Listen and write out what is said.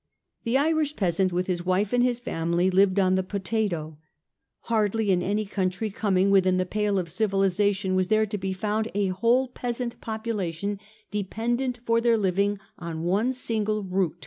The Irish peasant with his wife and his family lived on the potato. Hardly in any country coming within the pale of civilisation was there to he found a whole peasant population dependent for their living on one single root.